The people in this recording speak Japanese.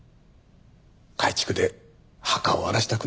改築で墓を荒らしたくなかった。